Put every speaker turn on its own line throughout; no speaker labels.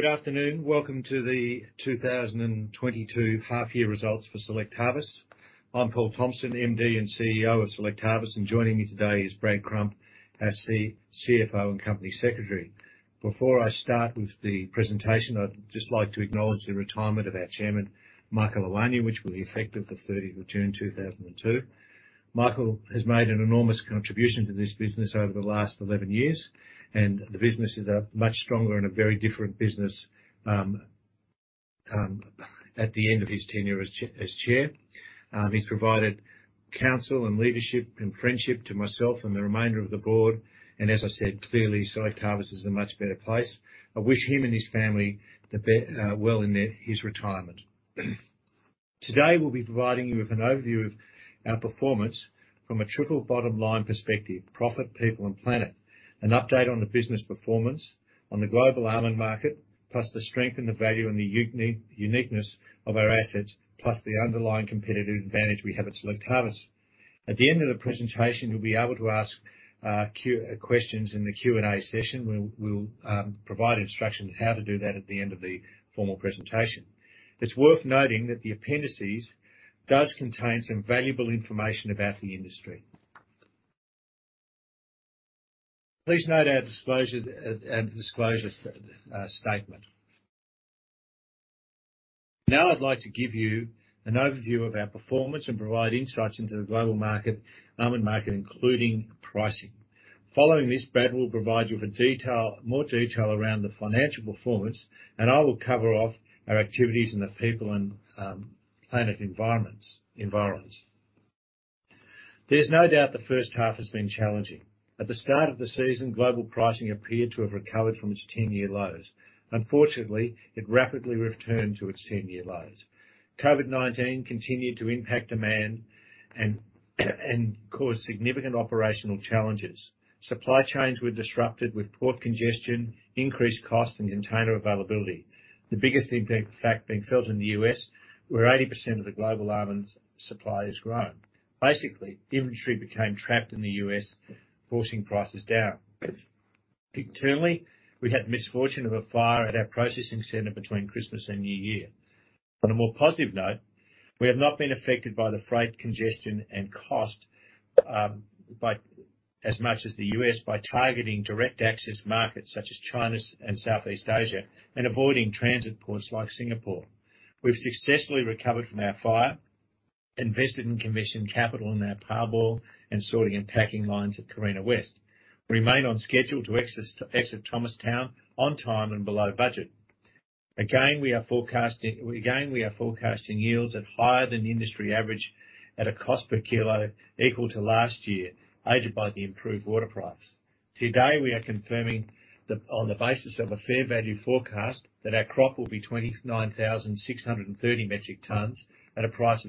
Good afternoon. Welcome to the 2022 half year results for Select Harvests. I'm Paul Thompson, MD and CEO of Select Harvests, and joining me today is Brad Crump as the CFO and Company Secretary. Before I start with the presentation, I'd just like to acknowledge the retirement of our Chairman, Michael Iwaniw, which will be effective the 30th of June, 2022. Michael has made an enormous contribution to this business over the last 11 years, and the business is a much stronger and a very different business at the end of his tenure as Chair. He's provided counsel and leadership and friendship to myself and the remainder of the board. As I said, clearly, Select Harvests is in a much better place. I wish him and his family well in his retirement. Today, we'll be providing you with an overview of our performance from a triple bottom line perspective, profit, people and planet. An update on the business performance on the global almond market, plus the strength and the value and the uniqueness of our assets, plus the underlying competitive advantage we have at Select Harvests. At the end of the presentation, you'll be able to ask questions in the Q&A session. We'll provide instruction on how to do that at the end of the formal presentation. It's worth noting that the appendices does contain some valuable information about the industry. Please note our disclosure statement. Now, I'd like to give you an overview of our performance and provide insights into the global market, almond market, including pricing. Following this, Brad will provide you with more detail around the financial performance, and I will cover off our activities in the people and planet environments. There's no doubt the first half has been challenging. At the start of the season, global pricing appeared to have recovered from its 10-year lows. Unfortunately, it rapidly returned to its 10-year lows. COVID-19 continued to impact demand and cause significant operational challenges. Supply chains were disrupted with port congestion, increased costs and container availability. The biggest impact, in fact, being felt in the U.S., where 80% of the global almond supply is grown. Basically, inventory became trapped in the U.S., forcing prices down. Internally, we had the misfortune of a fire at our processing center between Christmas and New Year. On a more positive note, we have not been affected by the freight congestion and cost as much as the U.S. by targeting direct access markets such as China's and Southeast Asia and avoiding transit ports like Singapore. We've successfully recovered from our fire, invested and commissioned capital in our parboil and sorting and packing lines at Carina West. Remain on schedule to exit Thomastown on time and below budget. We are forecasting yields at higher than the industry average at a cost per kilo equal to last year, aided by the improved water price. Today, we are confirming on the basis of a fair value forecast that our crop will be 29,630 metric tons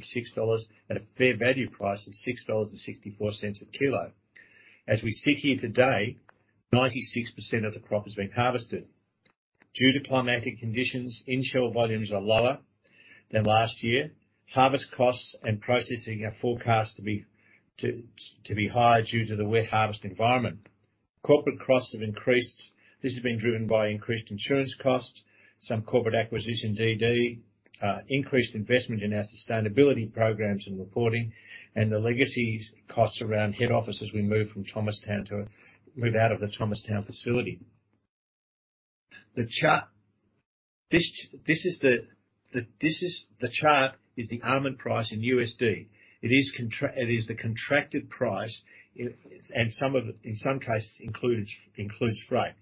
at a fair value price of 6.64 dollars a kilo. As we sit here today, 96% of the crop has been harvested. Due to climatic conditions, in-shell volumes are lower than last year. Harvest costs and processing are forecast to be higher due to the wet harvest environment. Corporate costs have increased. This has been driven by increased insurance costs, some corporate acquisition DD, increased investment in our sustainability programs and reporting, and the legacy costs around head office as we move out of the Thomastown facility. The chart is the almond price in USD. It is the contracted price and in some cases includes freight.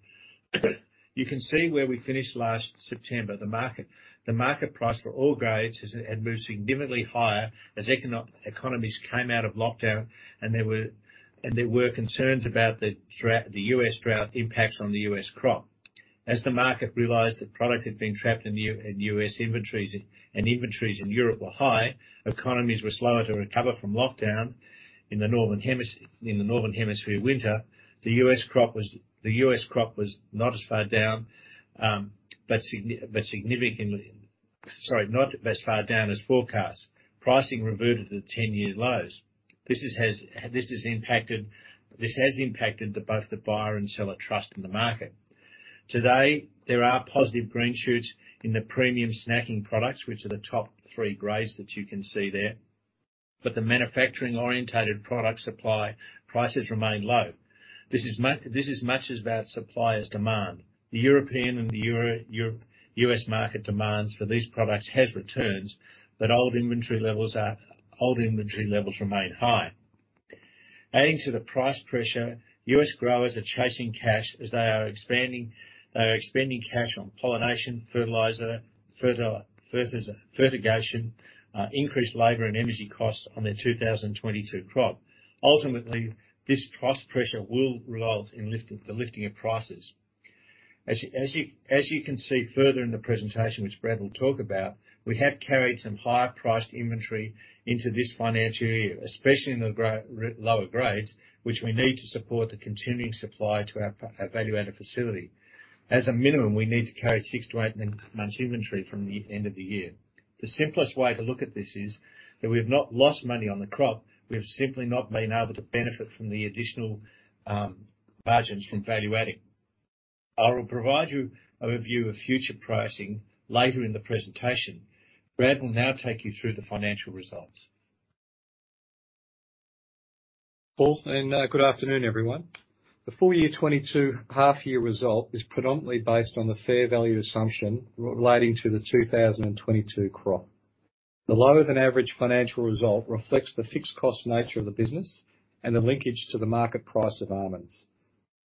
You can see where we finished last September. The market price for all grades had moved significantly higher as economies came out of lockdown and there were concerns about the U.S. drought impacts on the U.S. crop. As the market realized that product had been trapped in U.S. inventories and inventories in Europe were high, economies were slower to recover from lockdown in the northern hemisphere winter, the U.S. crop was significantly not as far down as forecast. Pricing reverted to 10-year lows. This has impacted both the buyer and seller trust in the market. Today, there are positive green shoots in the premium snacking products, which are the top three grades that you can see there. The manufacturing-oriented product supply prices remain low. This is as much about supply as demand. The European and the Euro-US market demands for these products has returned, but old inventory levels remain high. Adding to the price pressure, US growers are chasing cash as they are expanding, they are expending cash on pollination, fertilizer, fertigation, increased labor and energy costs on their 2022 crop. Ultimately, this cost pressure will result in the lifting of prices. As you can see further in the presentation, which Brad will talk about, we have carried some higher-priced inventory into this financial year, especially in the lower grades, which we need to support the continuing supply to our value added facility. As a minimum, we need to carry six to eight months inventory from the end of the year. The simplest way to look at this is that we have not lost money on the crop, we have simply not been able to benefit from the additional margins from value-adding. I will provide you a review of future pricing later in the presentation. Brad will now take you through the financial results.
Paul, good afternoon, everyone. The full year 2022 half year result is predominantly based on the fair value assumption relating to the 2022 crop. The lower than average financial result reflects the fixed cost nature of the business and the linkage to the market price of almonds.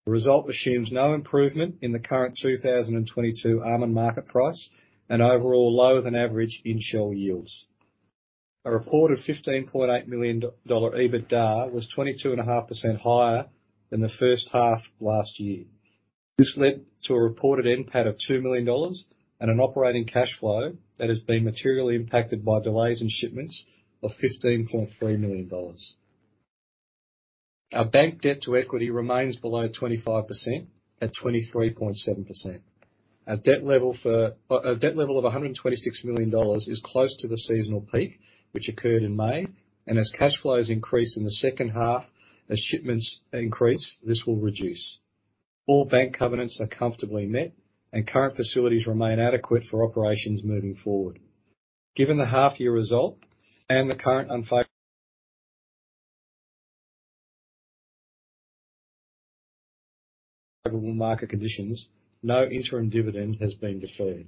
The result assumes no improvement in the current 2022 almond market price and overall lower than average in-shell yields. A reported 15.8 million dollar EBITDA was 20.5% higher than the first half last year. This led to a reported NPAT of 2 million dollars and an operating cash flow that has been materially impacted by delays in shipments of 15.3 million dollars. Our bank debt to equity remains below 25% at 23.7%. Our debt level for... Our debt level of 126 million dollars is close to the seasonal peak, which occurred in May. As cash flows increase in the second half, as shipments increase, this will reduce. All bank covenants are comfortably met and current facilities remain adequate for operations moving forward. Given the half year result and the current unfavorable market conditions, no interim dividend has been declared.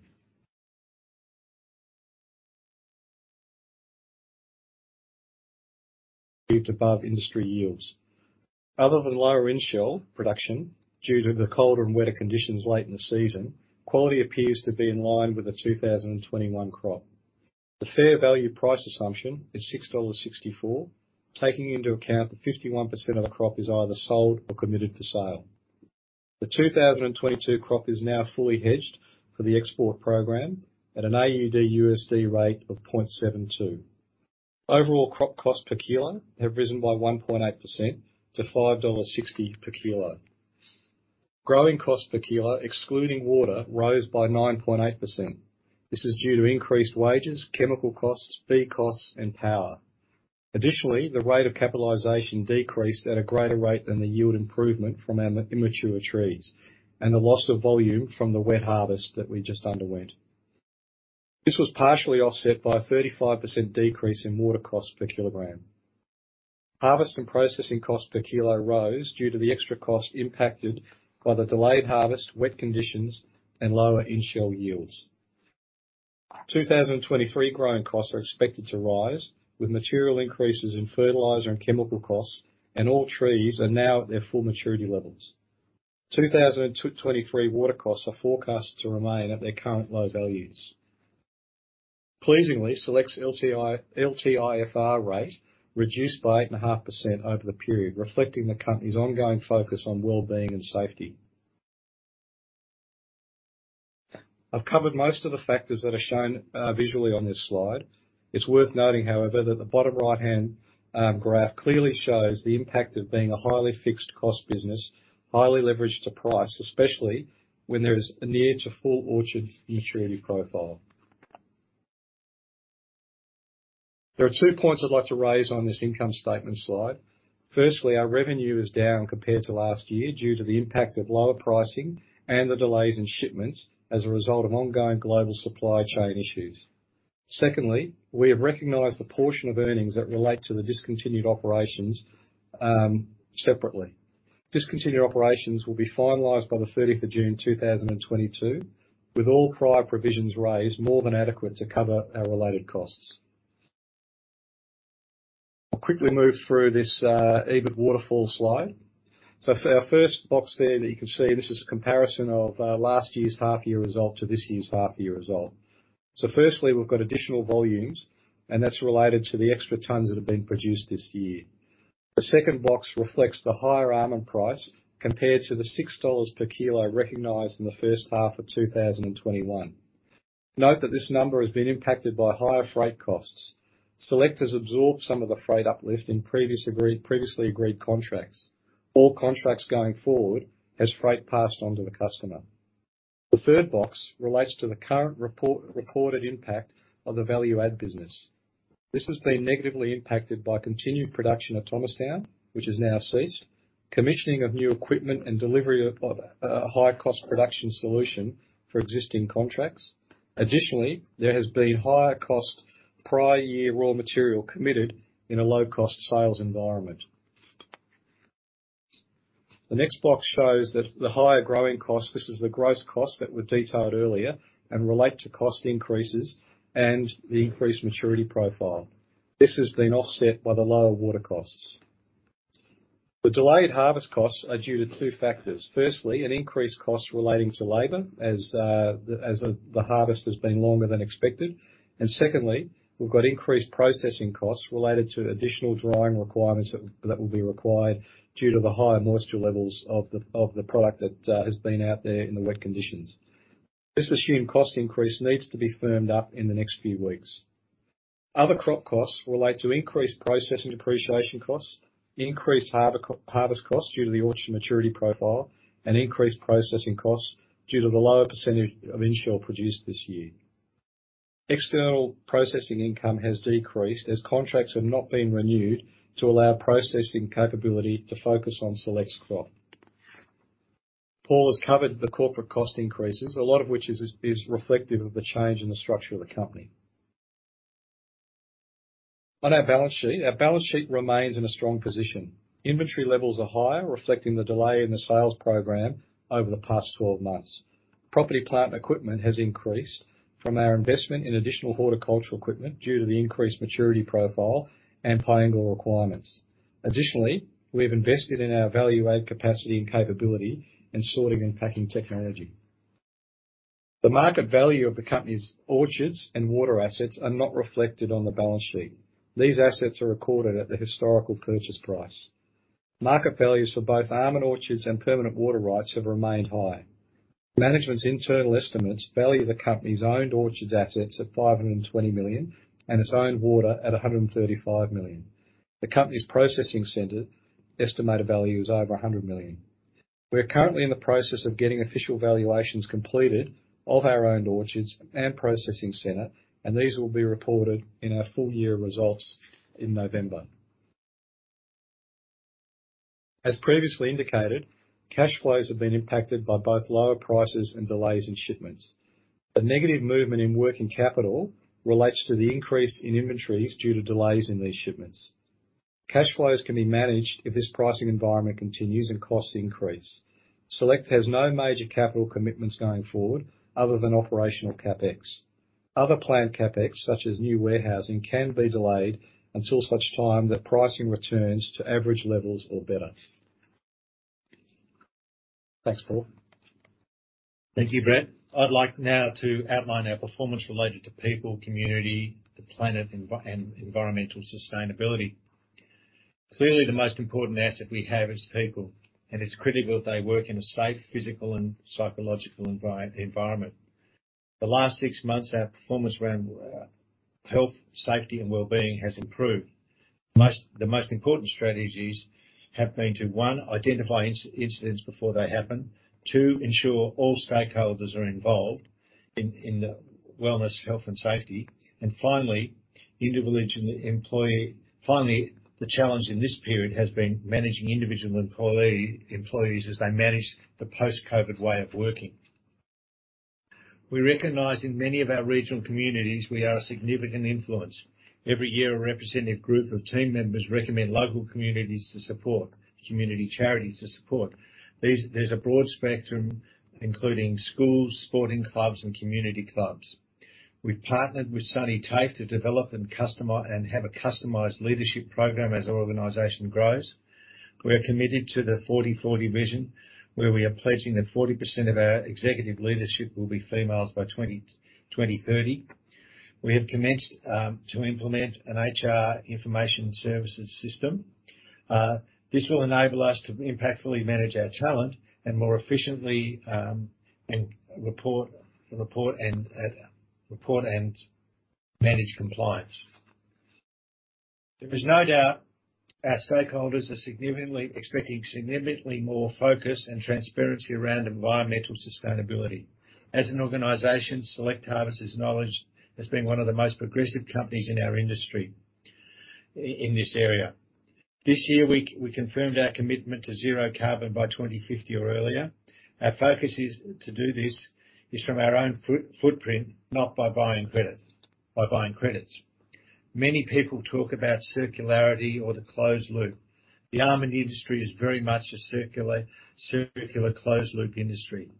Above industry yields. Other than lower in-shell production due to the colder and wetter conditions late in the season, quality appears to be in line with the 2021 crop. The fair value price assumption is $6.64, taking into account the 51% of the crop is either sold or committed for sale. The 2022 crop is now fully hedged for the export program at an AUD/USD rate of 0.72. Overall crop cost per kilo have risen by 1.8% to 5.60 dollars per kilo. Growing cost per kilo, excluding water, rose by 9.8%. This is due to increased wages, chemical costs, fert costs and power. Additionally, the rate of capitalization decreased at a greater rate than the yield improvement from our immature trees and the loss of volume from the wet harvest that we just underwent. This was partially offset by a 35% decrease in water cost per kilogram. Harvest and processing cost per kilo rose due to the extra cost impacted by the delayed harvest, wet conditions and lower in-shell yields. 2023 growing costs are expected to rise, with material increases in fertilizer and chemical costs, and all trees are now at their full maturity levels. 2023 water costs are forecast to remain at their current low values. Pleasingly, Select's LTIFR rate reduced by 8.5% over the period, reflecting the company's ongoing focus on well-being and safety. I've covered most of the factors that are shown visually on this slide. It's worth noting, however, that the bottom right-hand graph clearly shows the impact of being a highly fixed cost business, highly leveraged to price, especially when there is a near to full orchard maturity profile. There are two points I'd like to raise on this income statement slide. Firstly, our revenue is down compared to last year due to the impact of lower pricing and the delays in shipments as a result of ongoing global supply chain issues. Secondly, we have recognized the portion of earnings that relate to the discontinued operations separately. Discontinued operations will be finalized by the thirteenth of June, 2022, with all prior provisions raised more than adequate to cover our related costs. I'll quickly move through this, EBIT waterfall slide. For our first box there that you can see, this is a comparison of last year's half year result to this year's half year result. Firstly, we've got additional volumes, and that's related to the extra tons that have been produced this year. The second box reflects the higher almond price compared to the 6 dollars per kilo recognized in the first half of 2021. Note that this number has been impacted by higher freight costs. Select Harvests has absorbed some of the freight uplift in previously agreed contracts. All contracts going forward has freight passed on to the customer. The third box relates to the current reported impact of the value-add business. This has been negatively impacted by continued production at Thomastown, which has now ceased, commissioning of new equipment and delivery of a high-cost production solution for existing contracts. Additionally, there has been higher-cost prior-year raw material committed in a low-cost sales environment. The next box shows that the higher growing costs, this is the gross costs that were detailed earlier, and relate to cost increases and the increased maturity profile. This has been offset by the lower water costs. The delayed harvest costs are due to two factors. Firstly, an increased cost relating to labor as the harvest has been longer than expected. Secondly, we've got increased processing costs related to additional drying requirements that will be required due to the higher moisture levels of the product that has been out there in the wet conditions. This assumed cost increase needs to be firmed up in the next few weeks. Other crop costs relate to increased processing depreciation costs, increased harvest costs due to the orchard maturity profile, and increased processing costs due to the lower percentage of in-shell produced this year. External processing income has decreased as contracts have not been renewed to allow processing capability to focus on Select's crop. Paul has covered the corporate cost increases, a lot of which is reflective of the change in the structure of the company. On our balance sheet remains in a strong position. Inventory levels are higher, reflecting the delay in the sales program over the past twelve months. Property, plant and equipment has increased from our investment in additional horticultural equipment due to the increased maturity profile and Piangil requirements. Additionally, we have invested in our value add capacity and capability in sorting and packing technology. The market value of the company's orchards and water assets are not reflected on the balance sheet. These assets are recorded at the historical purchase price. Market values for both almond orchards and permanent water rights have remained high. Management's internal estimates value the company's owned orchards assets at 520 million and its own water at 135 million. The company's processing center estimated value is over 100 million. We are currently in the process of getting official valuations completed of our own orchards and processing center, and these will be reported in our full year results in November. As previously indicated, cash flows have been impacted by both lower prices and delays in shipments. The negative movement in working capital relates to the increase in inventories due to delays in these shipments. Cash flows can be managed if this pricing environment continues and costs increase. Select Harvests has no major capital commitments going forward other than operational CapEx. Other planned CapEx, such as new warehousing, can be delayed until such time that pricing returns to average levels or better. Thanks, Paul.
Thank you, Brad. I'd like now to outline our performance related to people, community, the planet, environmental sustainability. Clearly, the most important asset we have is people, and it's critical that they work in a safe, physical and psychological environment. The last six months, our performance around health, safety and well-being has improved. The most important strategies have been to, one, identify incidents before they happen. Two, ensure all stakeholders are involved in the wellness, health and safety. Finally, the challenge in this period has been managing individual employees as they manage the post-COVID way of working. We recognize in many of our regional communities we are a significant influence. Every year, a representative group of team members recommend local community charities to support. There's a broad spectrum, including schools, sporting clubs, and community clubs. We've partnered with SuniTAFE to develop and have a customized leadership program as our organization grows. We are committed to the 40:40 Vision, where we are pledging that 40% of our executive leadership will be females by 2030. We have commenced to implement an HR information services system. This will enable us to impactfully manage our talent and more efficiently and report and manage compliance. There is no doubt our stakeholders are expecting significantly more focus and transparency around environmental sustainability. As an organization, Select Harvests has been one of the most progressive companies in our industry in this area. This year, we confirmed our commitment to zero carbon by 2050 or earlier. Our focus is to do this from our own footprint, not by buying credits. Many people talk about circularity or the closed loop. The almond industry is very much a circular closed loop industry.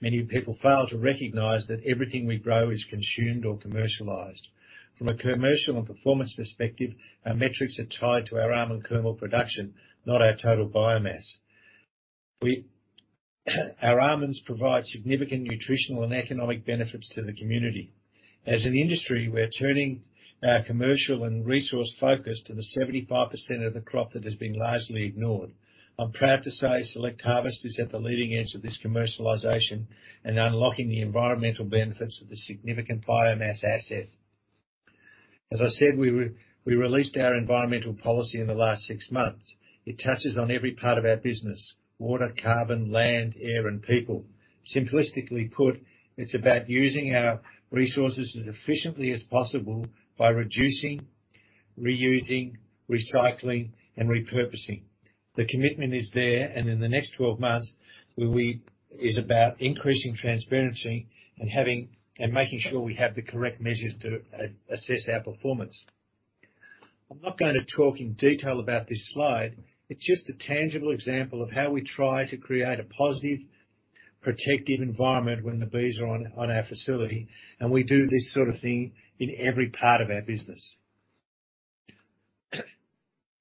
Many people fail to recognize that everything we grow is consumed or commercialized. From a commercial and performance perspective, our metrics are tied to our almond kernel production, not our total biomass. Our almonds provide significant nutritional and economic benefits to the community. As an industry, we are turning our commercial and resource focus to the 75% of the crop that has been largely ignored. I'm proud to say Select Harvests is at the leading edge of this commercialization and unlocking the environmental benefits of the significant biomass asset. As I said, we released our environmental policy in the last six months. It touches on every part of our business, water, carbon, land, air and people. Simplistically put, it's about using our resources as efficiently as possible by reducing, reusing, recycling and repurposing. The commitment is there, and in the next 12 months, is about increasing transparency and having, and making sure we have the correct measures to assess our performance. I'm not gonna talk in detail about this slide. It's just a tangible example of how we try to create a positive, protective environment when the bees are on our facility, and we do this sort of thing in every part of our business.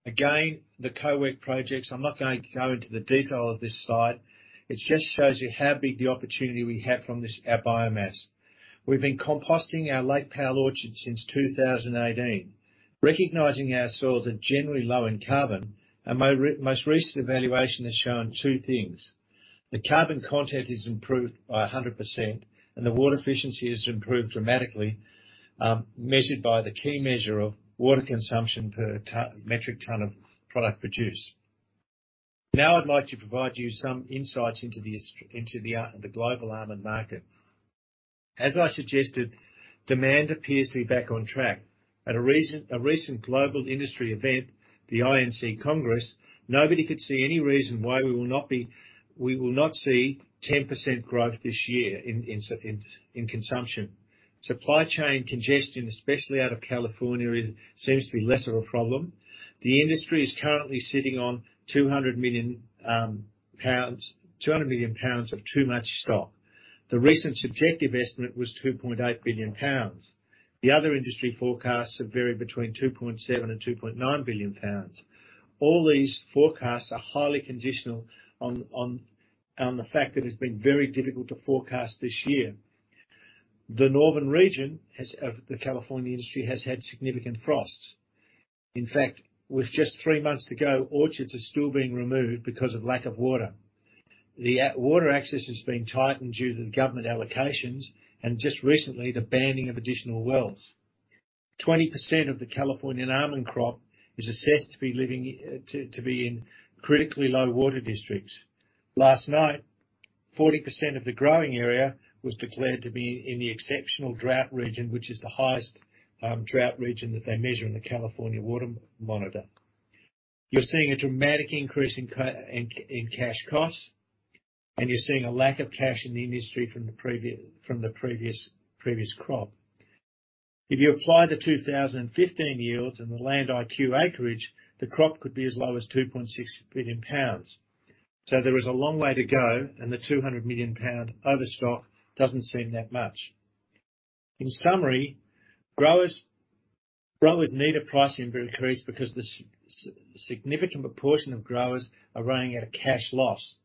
Again, the Co-Work projects, I'm not going to go into the detail of this slide. It just shows you how big the opportunity we have from this, our biomass. We've been composting our Lake Powell Orchard since 2018. Recognizing our soils are generally low in carbon, our most recent evaluation has shown two things. The carbon content is improved by 100%, and the water efficiency has improved dramatically, measured by the key measure of water consumption per metric ton of product produced. Now I'd like to provide you some insights into the global almond market. As I suggested, demand appears to be back on track. At a recent global industry event, the INC Congress, nobody could see any reason why we will not see 10% growth this year in consumption. Supply chain congestion, especially out of California, seems to be less of a problem. The industry is currently sitting on 200 million pounds of too much stock. The recent subjective estimate was 2.8 billion pounds. The other industry forecasts have varied between 2.7 and 2.9 billion pounds. All these forecasts are highly conditional on the fact that it's been very difficult to forecast this year. The northern region of the California industry has had significant frosts. In fact, with just three months to go, orchards are still being removed because of lack of water. The water access has been tightened due to government allocations and just recently, the banning of additional wells. 20% of the Californian almond crop is assessed to be in critically low water districts. Last night, 40% of the growing area was declared to be in the exceptional drought region, which is the highest drought region that they measure in the U.S. Drought Monitor. You're seeing a dramatic increase in cash costs, and you're seeing a lack of cash in the industry from the previous crop. If you apply the 2015 yields and the Land IQ acreage, the crop could be as low as 2.6 billion pounds. There is a long way to go, and the 200 million pound overstock doesn't seem that much. In summary, growers need a pricing increase because the significant proportion of growers are running at a cash loss.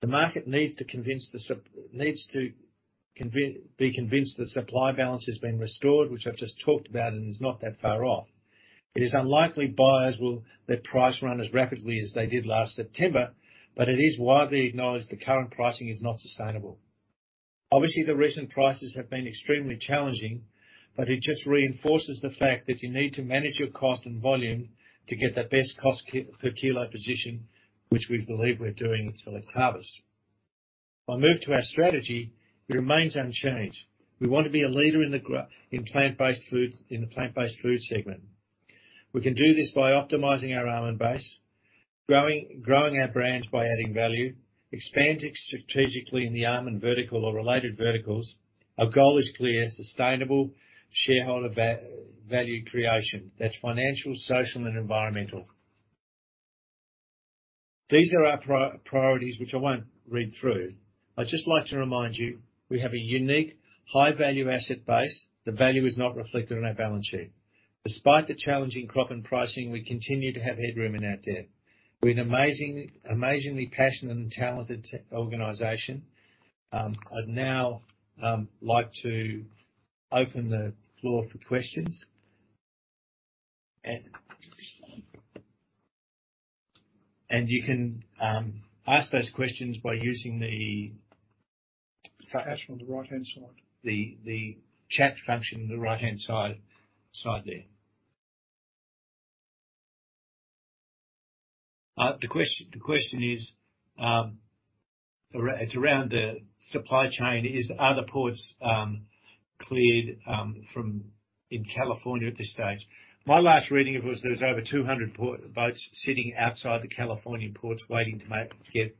The market needs to be convinced the supply balance has been restored, which I've just talked about, and is not that far off. It is unlikely buyers will let price run as rapidly as they did last September, but it is widely acknowledged the current pricing is not sustainable. Obviously, the recent prices have been extremely challenging, but it just reinforces the fact that you need to manage your cost and volume to get the best cost per kilo position, which we believe we're doing at Select Harvests. If I move to our strategy, it remains unchanged. We want to be a leader in plant-based foods, in the plant-based food segment. We can do this by optimizing our almond base, growing our brands by adding value, expanding strategically in the almond vertical or related verticals. Our goal is clear: sustainable shareholder value creation. That's financial, social and environmental. These are our priorities, which I won't read through. I'd just like to remind you, we have a unique high-value asset base. The value is not reflected on our balance sheet. Despite the challenging crop and pricing, we continue to have headroom in our debt. We have an amazing, amazingly passionate and talented organization. I'd now like to open the floor for questions. You can ask those questions by using the
Ask from the right-hand side.
The chat function on the right-hand side there. The question is, it's around the supply chain. Are the ports cleared in California at this stage? My last reading it was there was over 200 port boats sitting outside the California ports waiting to get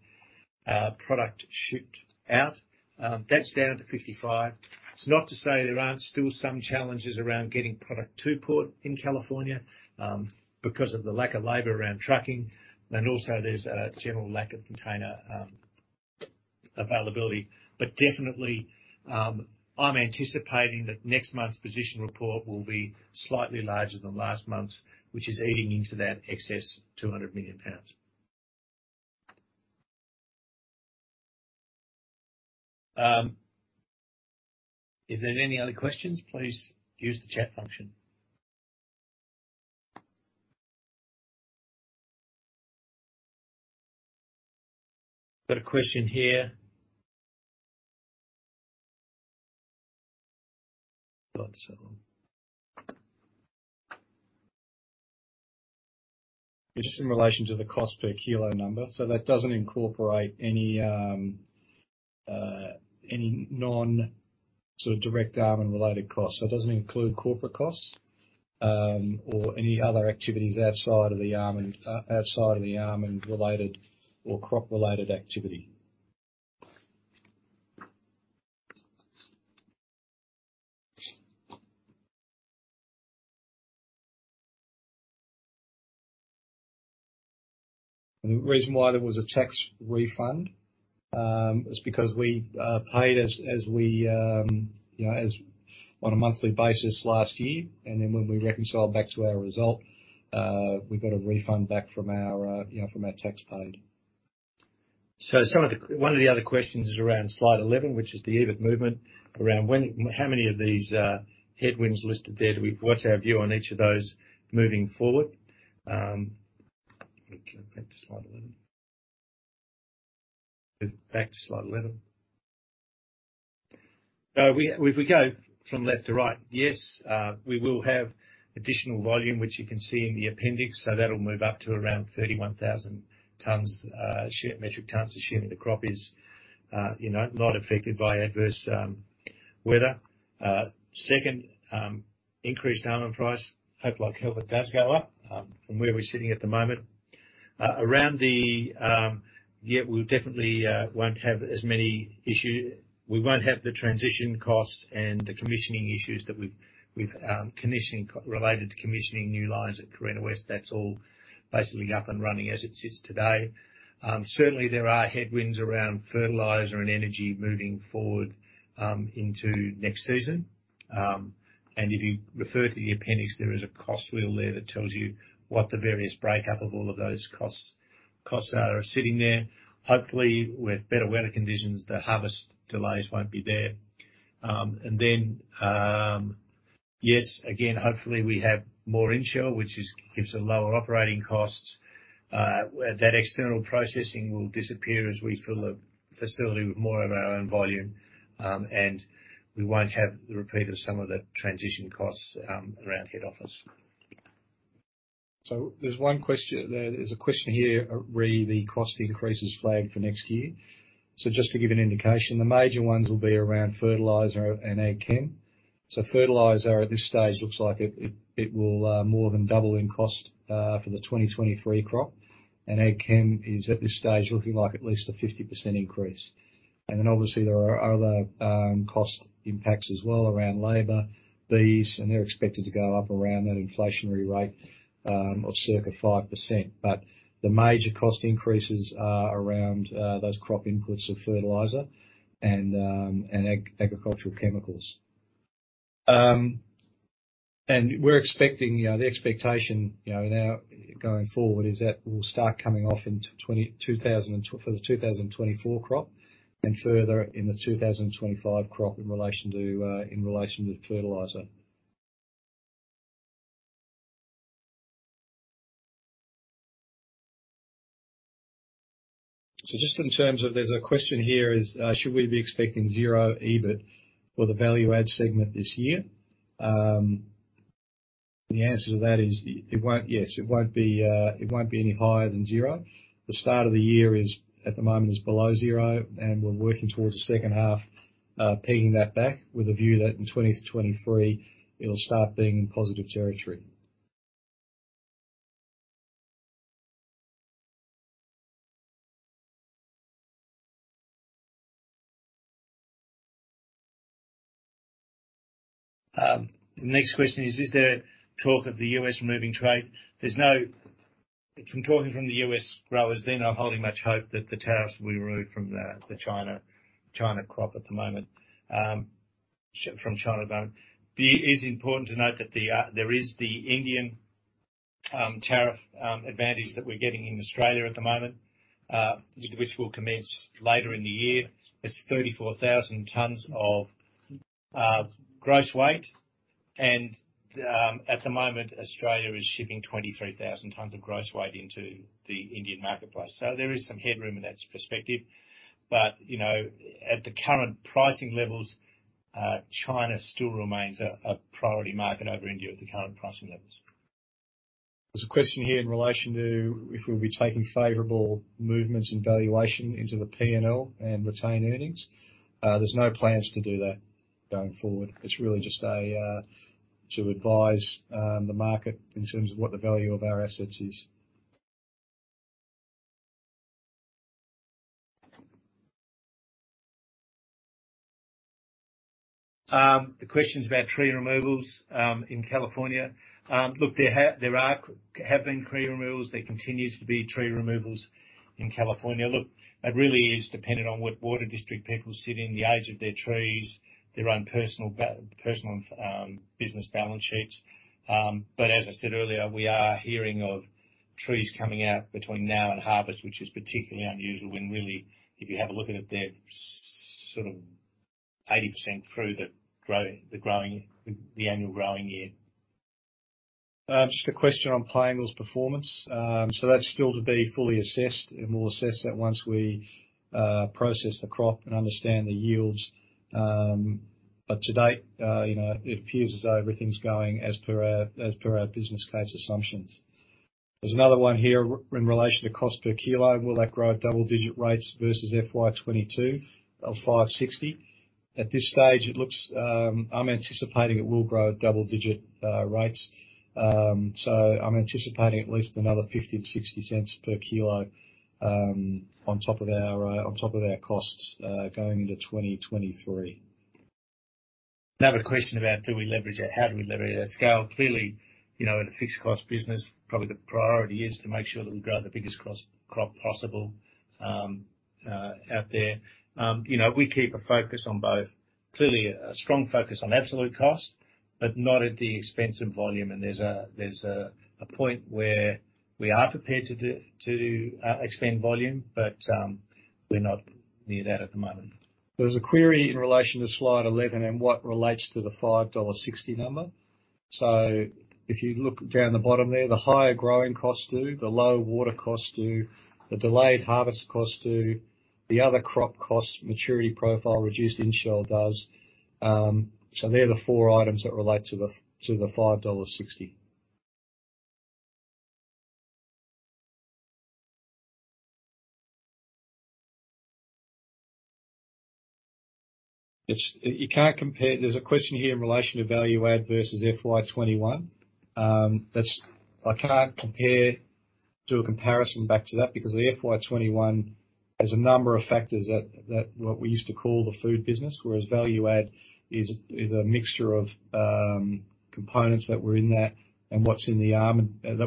product shipped out. That's down to 55. It's not to say there aren't still some challenges around getting product to port in California, because of the lack of labor around trucking, and also there's a general lack of container availability. But definitely, I'm anticipating that next month's position report will be slightly larger than last month's, which is eating into that excess 200 million pounds. If there are any other questions, please use the chat function. Got a question here. Thought so. It's just in relation to the cost per kilo number. That doesn't incorporate any non sort of direct almond related costs. It doesn't include corporate costs or any other activities outside of the almond related or crop related activity. The reason why there was a tax refund was because we paid as we you know as on a monthly basis last year. When we reconciled back to our result we got a refund back from our you know from our tax paid.
One of the other questions is around slide 11, which is the EBIT movement. How many of these headwinds listed there? What's our view on each of those moving forward? Back to slide 11. We go from left to right. Yes, we will have additional volume, which you can see in the appendix. That'll move up to around 31,000 metric tons, assuming the crop is not affected by adverse weather. Second, increased almond price. Hope like hell it does go up from where we're sitting at the moment. We won't have the transition costs and the commissioning issues that we've had related to commissioning new lines at Carina West. That's all basically up and running as it sits today. Certainly there are headwinds around fertilizer and energy moving forward into next season. If you refer to the appendix, there is a cost wheel there that tells you what the various breakup of all of those costs are sitting there. Hopefully, with better weather conditions, the harvest delays won't be there. Hopefully we have more in-shell, which gives a lower operating costs. That external processing will disappear as we fill the facility with more of our own volume, and we won't have the repeat of some of the transition costs around head office. There's one question there. There's a question here, re: the cost increases flagged for next year. Just to give an indication, the major ones will be around fertilizer and ag chem. Fertilizer at this stage looks like it will more than double in cost for the 2023 crop. Ag chem is at this stage looking like at least a 50% increase. Then obviously there are other cost impacts as well around labor, diesel, and they're expected to go up around that inflationary rate of circa 5%. The major cost increases are around those crop inputs of fertilizer and agricultural chemicals. We're expecting, you know, the expectation, you know, now going forward is that will start coming off in 2024 crop and further in the 2025 crop in relation to fertilizer. Just in terms of there's a question here is, should we be expecting zero EBIT for the value add segment this year? The answer to that is it won't be any higher than zero. The start of the year is, at the moment, below zero, and we're working towards the second half, pegging that back with a view that in 2023 it'll start being in positive territory. The next question is there talk of the U.S. removing trade? From talking to the U.S. growers, they're not holding much hope that the tariffs will be removed from the China crop at the moment from China, though. It is important to note that there is the Indian tariff advantage that we're getting in Australia at the moment, which will commence later in the year. It's 34,000 tons of gross weight and at the moment, Australia is shipping 23,000 tons of gross weight into the Indian marketplace. There is some headroom in that perspective but, you know, at the current pricing levels, China still remains a priority market over India at the current pricing levels. There's a question here in relation to if we'll be taking favorable movements and valuation into the P&L and retained earnings. There's no plans to do that going forward. It's really just to advise the market in terms of what the value of our assets is. The question's about tree removals in California. Look, there have been tree removals. There continues to be tree removals in California. Look, it really is dependent on what water district people sit in, the age of their trees, their own personal business balance sheets. As I said earlier, we are hearing of trees coming out between now and harvest, which is particularly unusual when really, if you have a look at it, they're sort of 80% through the growing, the annual growing year. Just a question on Piangil's performance. That's still to be fully assessed, and we'll assess that once we process the crop and understand the yields. To date, you know, it appears as though everything's going as per our business case assumptions. There's another one here in relation to cost per kilo. Will that grow at double digit rates versus FY 2022 of 5.60? At this stage it looks, I'm anticipating it will grow at double digit rates. I'm anticipating at least another 0.50-0.60 per kilo on top of our costs going into 2023. Another question about do we leverage or how do we leverage our scale? Clearly, you know, in a fixed cost business, probably the priority is to make sure that we grow the biggest crop possible. You know, we keep a focus on both, clearly a strong focus on absolute cost, but not at the expense of volume. There's a point where we are prepared to expand volume, but we're not near that at the moment. There's a query in relation to slide 11 and what relates to the $5.60 number. If you look down the bottom there, the higher growing costs do, the low water costs do, the delayed harvest costs do, the other crop costs, maturity profile, reduced in-shell does. They're the four items that relate to the $5.60. There's a question here in relation to value add versus FY 2021. I can't compare, do a comparison back to that because the FY 2021 has a number of factors that what we used to call the food business, whereas value add is a mixture of components that were in that and what's in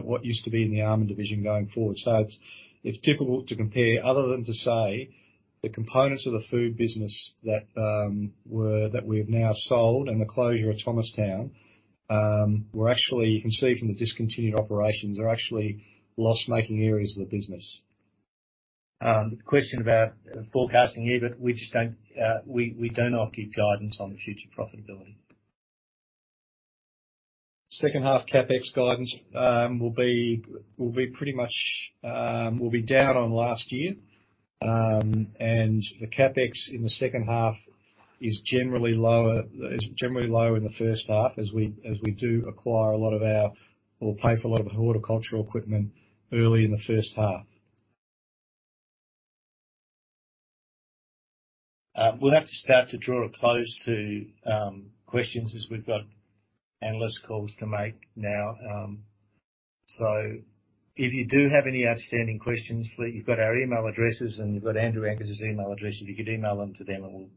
what used to be in the almond division going forward. It's difficult to compare other than to say the components of the food business that we've now sold and the closure of Thomastown were actually, you can see from the discontinued operations, they're actually loss-making areas of the business. The question about forecasting year, but we just don't, we do not give guidance on the future profitability. Second half CapEx guidance will be pretty much down on last year. The CapEx in the second half is generally lower in the first half as we do acquire a lot of our or pay for a lot of our horticultural equipment early in the first half. We'll have to start to draw a close to questions as we've got analyst calls to make now. If you do have any outstanding questions, you've got our email addresses, and you've got Andrew Angus's email address. If you could email them to them, and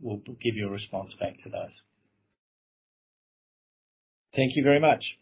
we'll give you a response back to those. Thank you very much.